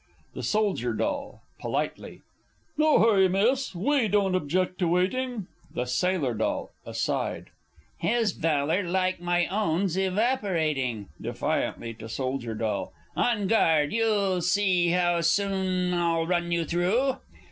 _ The Soldier D. (politely). No hurry, Miss, we don't object to waiting. The Sailor D. (aside). His valour like my own 's evaporating! (Defiantly to Soldier D.). On guard! You'll see how soon I'll run you through!